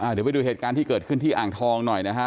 เดี๋ยวไปดูเหตุการณ์ที่เกิดขึ้นที่อ่างทองหน่อยนะฮะ